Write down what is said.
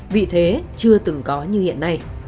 vị thế chưa từng có như hiện nay